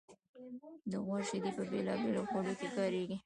د غوا شیدې په بېلابېلو خوړو کې کارېږي.